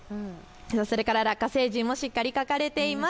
それからラッカ星人もしっかり描かれています。